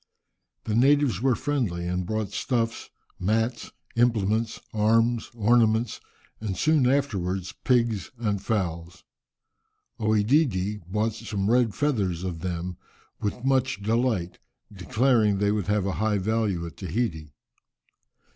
The natives were friendly, and brought stuffs, mats, implements, arms, ornaments, and soon afterwards pigs and fowls. OEdidi bought some red feathers of them with much delight, declaring they would have a high value at Tahiti.